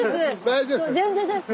大丈夫？